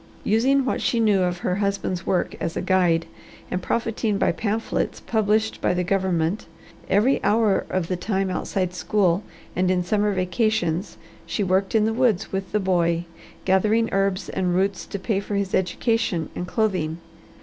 Using what she knew of her husband's work as a guide, and profiting by pamphlets published by the government, every hour of the time outside school and in summer vacations she worked in the woods with the boy, gathering herbs and roots to pay for his education and clothing.